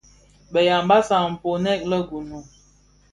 Bë Yambassa nkpoňèn le (Gunu),